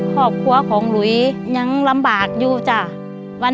ครอบครัวของหลุยยังลำบากอยู่จ้ะวัน